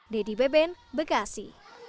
dedy beben bekasi